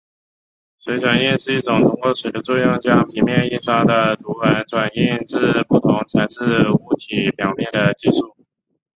水转印是一种通过水的作用将平面印刷的图文转印至不同材质物体表面的技术。